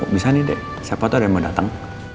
bisa nih dek siapa tuh ada yang mau datang